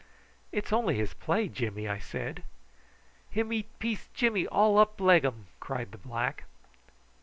"It's only his play, Jimmy," I said. "Him eat piece Jimmy, all up leggum," cried the black.